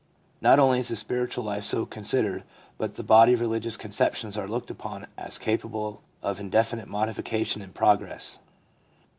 Not only is the spiritual life so considered, but the body of religious conceptions are looked upon as capable of indefinite modification and progress.